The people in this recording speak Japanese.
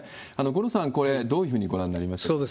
五郎さん、これ、どういうふうにご覧になりました？